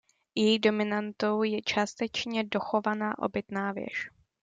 Její dominantou je částečně dochovaná obytná věž.